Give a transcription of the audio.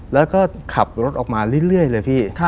แล้วก็ขับรถออกมาเรื่อยเลยพี่